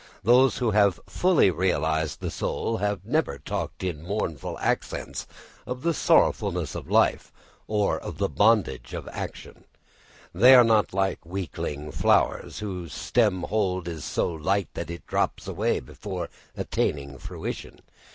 Those who have fully realised the soul have never talked in mournful accents of the sorrowfulness of life or of the bondage of action. They are not like the weakling flower whose stem hold is so light that it drops away before attaining fruition.